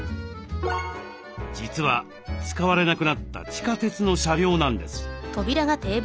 実は使われなくなった地下鉄の車両なんです。